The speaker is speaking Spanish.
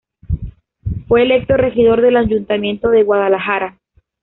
Fue electo regidor del Ayuntamiento de Guadalajara.